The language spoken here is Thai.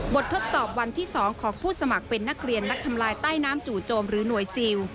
ทดสอบวันที่๒ของผู้สมัครเป็นนักเรียนนักทำลายใต้น้ำจู่โจมหรือหน่วยซิล